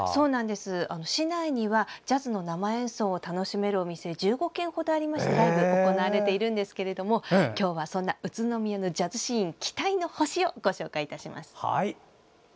市内にはジャズの生演奏を楽しめるお店が１５軒ほどありましてライブが行われているんですが今日はそんな宇都宮ジャズシーン期待の星をご紹介いたします。